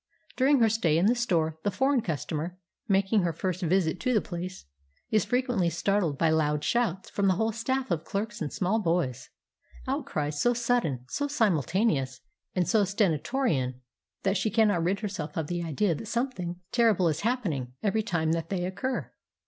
During her stay in the store, the foreign customer, making her first visit to the place, is frequently startled by loud shouts from the whole staff of clerks and small boys, — outcries so sudden, so simultaneous, and so stentorian, that she cannot rid herself of the idea that something terrible is happening every time that they occur.